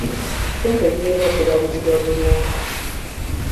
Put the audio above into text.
Ssente zirina okubalirirwa bulungi.